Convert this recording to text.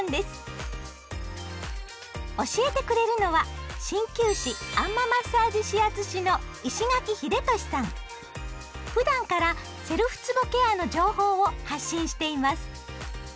教えてくれるのは鍼灸師あん摩マッサージ指圧師のふだんからセルフつぼケアの情報を発信しています。